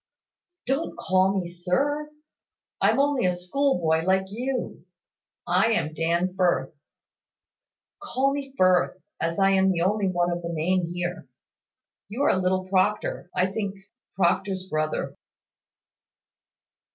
"Don't call me, `sir.' I'm only a schoolboy, like you. I am Dan Firth. Call me Firth, as I am the only one of the name here. You are little Proctor, I think Proctor's brother."